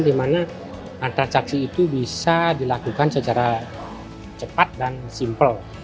di mana atraksi itu bisa dilakukan secara cepat dan simpel